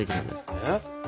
えっ？